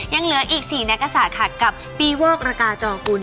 ยังเหลืออีก๔นักศึกษาคัดกับปีเวิร์กระกาศจอห์กุล